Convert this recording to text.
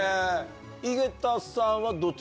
井桁さんはどっち？